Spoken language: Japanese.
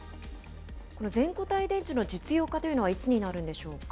この全固体電池の実用化というのはいつになるんでしょうか。